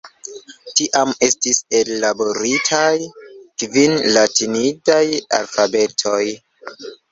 Tiam estis ellaboritaj kvin latinidaj alfabetoj.